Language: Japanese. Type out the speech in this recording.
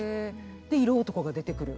で色男が出てくる。